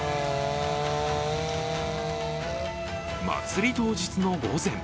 祭り当日の午前。